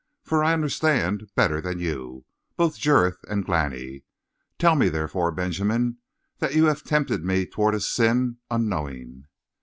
For I understand better than you, both Jurith and Glani!' Tell me therefore, Benjamin, that you have tempted me toward a sin, unknowing."